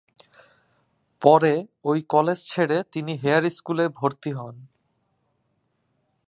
পরে ওই কলেজ ছেড়ে তিনি হেয়ার স্কুলে ভর্তি হন।